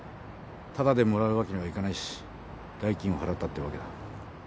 タダでもらうわけにはいかないし代金を払ったってわけだ。